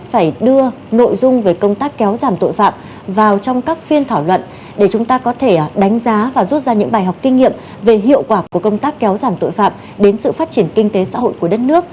vậy chúng ta có thể đánh giá và rút ra những bài học kinh nghiệm về hiệu quả của công tác kéo giảm tội phạm đến sự phát triển kinh tế xã hội của đất nước